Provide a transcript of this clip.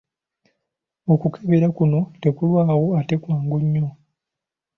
Okukebera kuno tekulwawo ate kwangu nnyo.